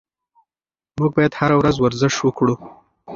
موږ باید هره ورځ ورزش وکړو.